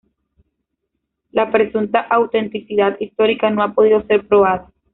La presunta autenticidad histórica no ha podido ser probada.